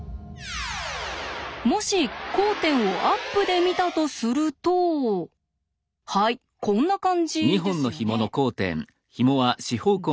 もし交点をアップで見たとするとはいこんな感じですよね。